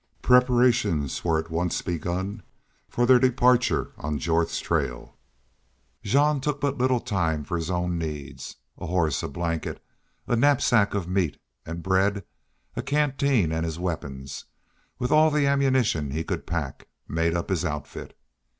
Preparations were at once begun for their departure on Jorth's trail. Jean took but little time for his own needs. A horse, a blanket, a knapsack of meat and bread, a canteen, and his weapons, with all the ammunition he could pack, made up his outfit.